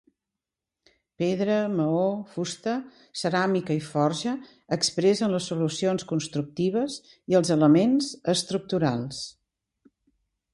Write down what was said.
Pedra, maó, fusta, ceràmica i forja, expressen les solucions constructives i els elements estructurals.